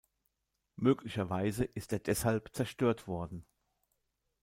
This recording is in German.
Möglicherweise ist er deshalb zerstört worden.